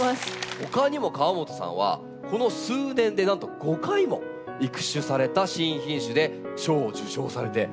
ほかにも河本さんはこの数年でなんと５回も育種された新品種で賞を受賞されているんです。